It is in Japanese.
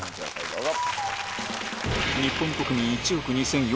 どうぞ。